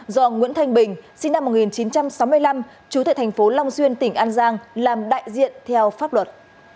do nguyễn thanh bình sinh năm một nghìn chín trăm sáu mươi năm chú tại thành phố long xuyên tỉnh an giang làm đại diện theo pháp luật